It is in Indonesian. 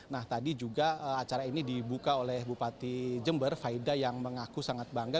nah tadi juga acara ini dibuka oleh bupati jember faida yang mengaku sangat bangga